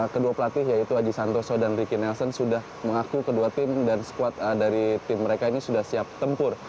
kedua pelatih yaitu aji santoso dan ricky nelson sudah mengaku kedua tim dan squad dari tim mereka ini sudah siap tempur